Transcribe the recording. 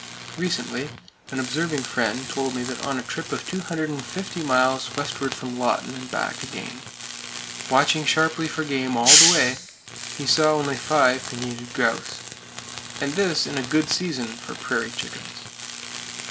Recently, an observing friend told me that on a trip of 250 miles westward from Lawton and back again, watching sharply for game all the way, he saw only five pinnated grouse! And this in a good season for "prairie chickens."